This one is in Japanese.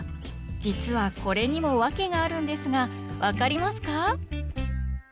実はこれにも訳があるんですが分かりますか？